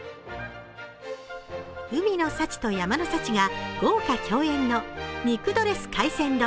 海の幸と山の幸が豪華共演の肉ドレス海鮮丼。